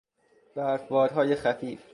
برفبادهای خفیف